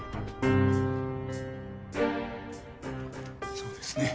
そうですね。